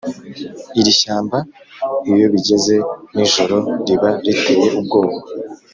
Irishyamba iyobigeze ninjoro riba riteye ubwoba